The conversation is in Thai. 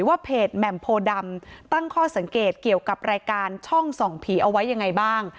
ว่าเพจแหม่มโพดำตั้งข้อสังเกตเกี่ยวกับรายการช่องส่องผีเอาไว้ยังไงบ้าง